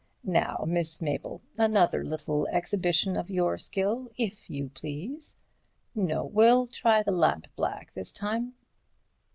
Now, Miss Mabel, another little exhibition of your skill, if you please. No—we'll try lampblack this time.